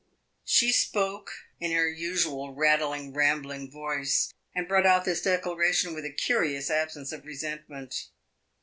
She spoke in her usual rattling, rambling voice, and brought out this declaration with a curious absence of resentment.